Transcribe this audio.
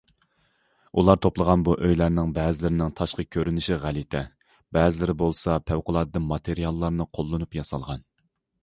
ئۇلار توپلىغان بۇ ئۆيلەرنىڭ بەزىلىرىنىڭ تاشقى كۆرۈنۈشى غەلىتە، بەزىلىرى بولسا پەۋقۇلئاددە ماتېرىياللارنى قوللىنىپ ياسالغان.